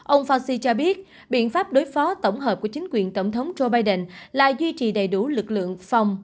ông fasi cho biết biện pháp đối phó tổng hợp của chính quyền tổng thống joe biden là duy trì đầy đủ lực lượng phòng